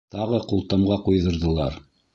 Тағы ҡултамға ҡуйҙырҙылар.